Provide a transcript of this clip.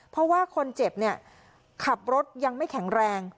เพราะว่าคนเจ็บเนี่ยขับรถยังไม่แข็งแรง